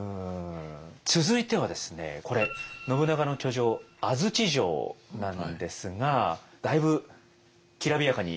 続いてはですねこれ信長の居城安土城なんですがだいぶきらびやかに。